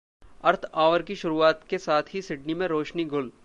अर्थ Hour की शुरूआत के साथ ही सिडनी में रोशनी गुल